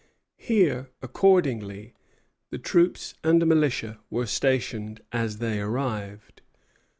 Here, accordingly, the troops and militia were stationed as they arrived.